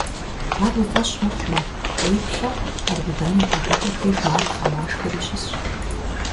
Ар уи фӀэщ мыхъумэ, кӀуэи, плъэ: Аргудан и къуажэкӀэм деж матхъэ-машхэри щысщ.